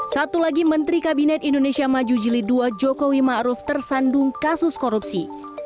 satu lagi menteri kabinet indonesia maju jilid ii jokowi ma'ruf tersandung kasus korupsi